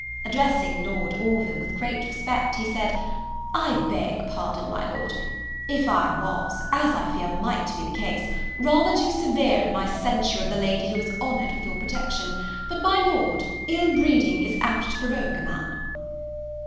Addressing Lord Orville with great respect, he said, "I beg pardon, my Lord, if I was as I fear might be the case rather too severe in my censure of the lady who is honoured with your protection but, my Lord, ill breeding is apt to provoke a man."